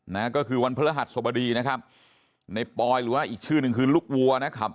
นะก็คือวันพระรหัสสบดีนะครับในปอยหรือว่าอีกชื่อหนึ่งคือลูกวัวนะครับ